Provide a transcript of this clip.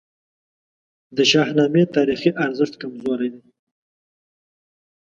د شاهنامې تاریخي ارزښت کمزوری دی.